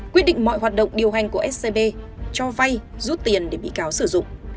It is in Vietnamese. quyết định mọi hoạt động điều hành của scb cho vay rút tiền để bị cáo sử dụng